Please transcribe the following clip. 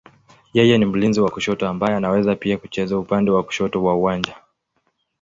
Yeye ni mlinzi wa kushoto ambaye anaweza pia kucheza upande wa kushoto wa uwanja.